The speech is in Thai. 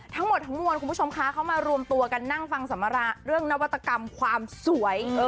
ทั้งหมดทั้งมวลเขามารวมตัวกันนั่งฟังสมรเรื่องนวัตกรรมความสวย